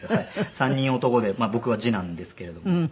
３人男で僕は次男ですけれども。